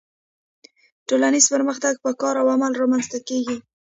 ټولنیز پرمختګ په کار او عمل رامنځته کیږي